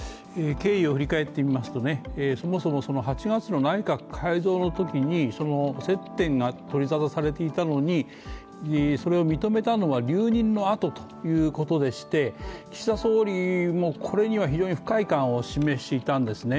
経緯を振り返ってみますとそもそも８月の内閣改造のときに、接点が取り沙汰されていたのにそれを認めたのは留任のあとということでして、岸田総理もこれには非常に不快感を示していたんですね。